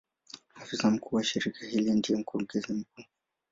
Afisa mkuu wa shirika hili ndiye Mkurugenzi mkuu.